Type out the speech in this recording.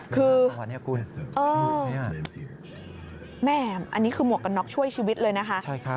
คือคุณแม่อันนี้คือหมวกกันน็อกช่วยชีวิตเลยนะคะ